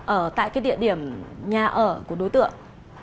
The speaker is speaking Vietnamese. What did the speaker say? ở tại cái địa điểm nhà ở của đối tượng